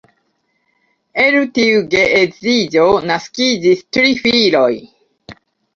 El tiu geedziĝo naskiĝis tri filoj.